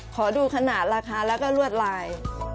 ขอดูขนาดราคาแล้วก็ลวดลาย